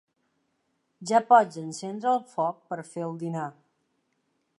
Ja pots encendre el foc per fer el dinar.